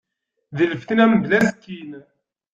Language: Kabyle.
D lfetna mebla asekkin.